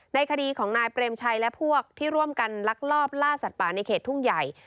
คดีของนายเปรมชัยและพวกที่ร่วมกันลักลอบล่าสัตว์ป่าในเขตทุ่งใหญ่